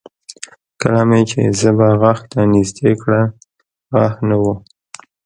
کله مې چې ژبه غاښ ته نږدې کړه غاښ نه و